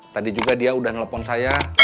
tadi juga dia udah nelfon saya